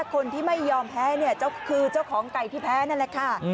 คนที่ไม่ยอมแพ้เนี่ยคือเจ้าของไก่ที่แพ้นั่นแหละค่ะ